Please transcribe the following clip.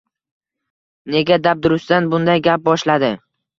Nega dabdurustdan bunday gap boshladi?